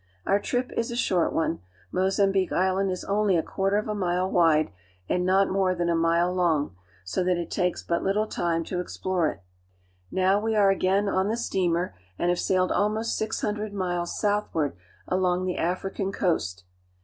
Our trip is a short one. Mozambique Island is only a quarter of a mile wide and not more than a mile long, so that it takes but little time to explore it. Now we are again on the steamer and have sailed almost six hundred miles southward along the African coast.